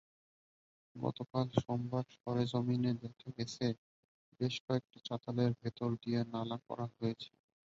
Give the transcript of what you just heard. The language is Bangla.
গতকাল সোমবার সরেজমিনে দেখা গেছে, বেশ কয়েকটি চাতালের ভেতর দিয়ে নালা করা হয়েছে।